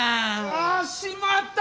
あしまった！